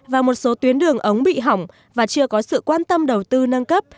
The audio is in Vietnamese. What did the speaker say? và một số tuyến đường ống bị hỏng và chưa có sự quan tâm đầu tư nâng cấp